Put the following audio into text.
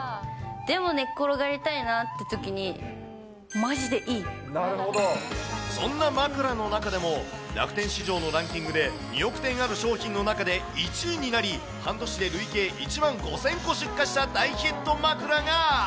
でも寝っ転がりたいなってときに、そんな枕の中でも、楽天市場のランキングで２億点ある商品の中で１位になり、半年で累計１万５０００個出荷した大ヒット枕が。